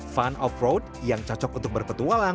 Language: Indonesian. fun off road yang cocok untuk berpetualang